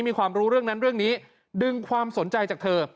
มีความรู้เรื่องนั้นเรื่องนี้ดึงความสนใจจากเธอ